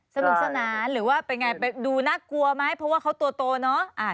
สนุกสนานหรือว่าเป็นไงดูน่ากลัวไหมเพราะว่าเขาตัวโตเนอะ